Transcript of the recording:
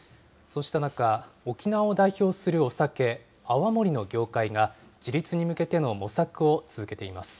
そうした中、沖縄を代表するお酒、泡盛の業界が、自立に向けての模索を続けています。